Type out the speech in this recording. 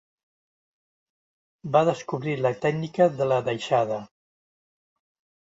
Va descobrir la tècnica de la deixada.